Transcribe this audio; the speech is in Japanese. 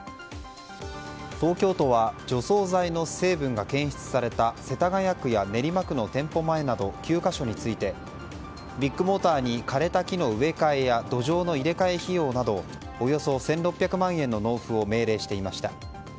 東京都は除草剤の成分が検出された世田谷区や練馬区の店舗前など９か所についてビッグモーターに枯れた木の植え替えや土壌の入れ替え費用などおよそ１６００万円の納付を命令していました。